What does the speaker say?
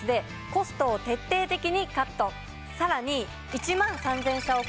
さらに。